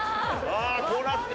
こうなって。